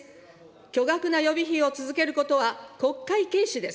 巨額な予備費を続けることは国会軽視です。